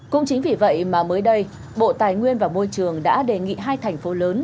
cũng chính vì vậy mà mới đây bộ tài nguyên và môi trường đã đề nghị hai thành phố lớn